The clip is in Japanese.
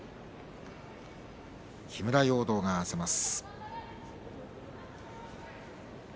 木村容堂が合わせます。